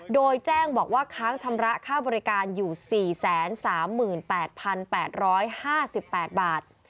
โดยแจ้งบอกว่าค้างชำระค่าบริการอยู่๔๓๘๘๕๘บาท